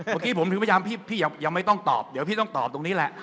ปะขี้ผมพยายามพี่ยังไม่ต้องตอบผมต้องตอบตรงนี้แหละ